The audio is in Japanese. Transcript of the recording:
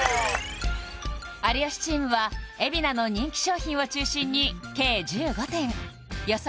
有吉チームは海老名の人気商品を中心に計１５点予想